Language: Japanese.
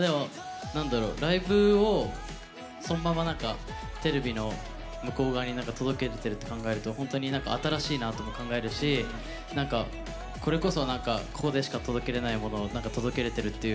ライブをそのままなんかテレビの向こう側に届けれてるって考えると本当に新しいなとも考えるしこれこそここでしか届けれないものを届けれてるっていう